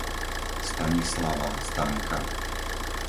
Stanislava, Stanka